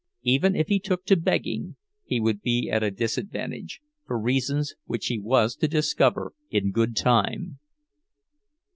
Even if he took to begging, he would be at a disadvantage, for reasons which he was to discover in good time.